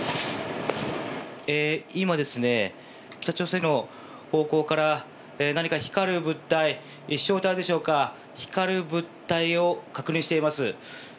今、北朝鮮の方向から何か光る物体、飛翔体でしょうか光る物体を確認しています。